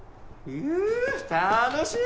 うう楽しい！